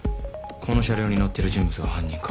この車両に乗ってる人物が犯人か。